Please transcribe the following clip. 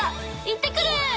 行ってくる！